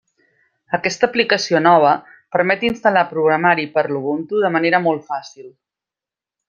Aquesta aplicació nova permet instal·lar programari per a l'Ubuntu de manera molt fàcil.